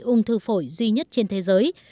ung thư phổi duy nhất trên thế giới